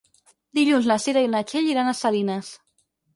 Dilluns na Cira i na Txell iran a Salines.